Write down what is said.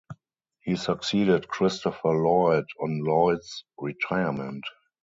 He succeeded Christopher Lloyd on Lloyd's retirement.